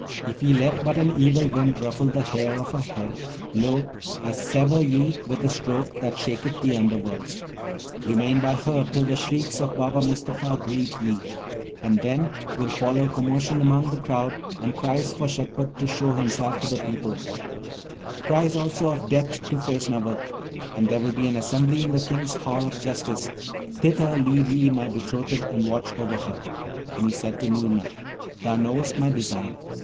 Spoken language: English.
If ye let but an evil wind ruffle the hair of her head, lo! I sever ye with a stroke that shaketh the under worlds. Remain by her till the shrieks of Baba Mustapha greet ye, and then will follow commotion among the crowd, and cries for Shagpat to show himself to the people, cries also of death to Feshnavat; and there will be an assembly in the King's Hall of Justice; thither lead ye my betrothed, and watch over her.' And he said to Noorna, 'Thou knowest my design?'